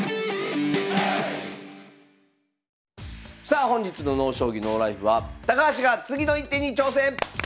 さあ本日の「ＮＯ将棋ＮＯＬＩＦＥ」は高橋が次の一手に挑戦！